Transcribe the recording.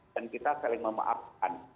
dan kita saling memaafkan